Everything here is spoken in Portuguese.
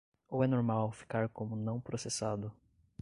Ou é normal ficar como "não processado"?